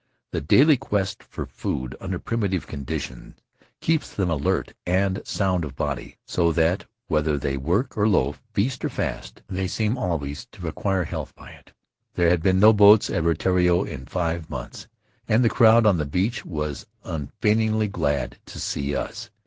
The daily quest for food under primitive conditions keeps them alert and sound of body, so that, whether they work or loaf, feast or fast, they seem always to acquire health by it. Rutiaro There had been no boats at Rutiaro in five months and the crowd on the beach was unfeignedly glad to see us.